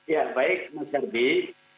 ya baik mas herby